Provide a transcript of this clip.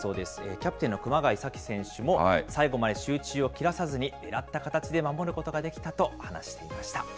キャプテンの熊谷紗希選手も、最後まで集中を切らさずに、ねらった形で守ることができたと話していました。